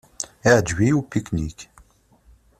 Iεǧeb-iyi upiknik.